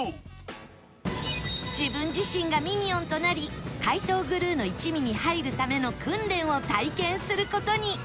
自分自身がミニオンとなり怪盗グルーの一味に入るための訓練を体験する事に